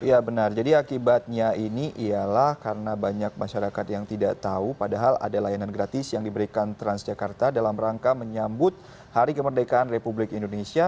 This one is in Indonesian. ya benar jadi akibatnya ini ialah karena banyak masyarakat yang tidak tahu padahal ada layanan gratis yang diberikan transjakarta dalam rangka menyambut hari kemerdekaan republik indonesia